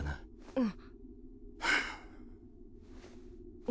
うん。